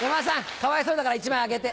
かわいそうだから１枚あげて。